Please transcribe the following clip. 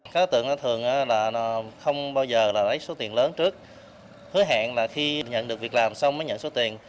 các đối tượng thường không bao giờ lấy số tiền lớn trước hứa hẹn là khi nhận được việc làm xong mới nhận số tiền